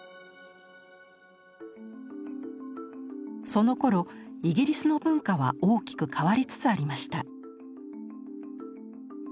そのころイギリスの文化は大きく変わりつつありました。